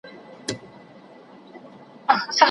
هغې خپل مخ په کمپله کې پټ کړ چې تېر یادونه هېر کړي.